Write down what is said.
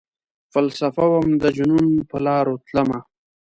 فلسفه وم ،دجنون پرلاروتلمه